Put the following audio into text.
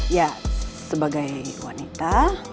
ya sebagai wanita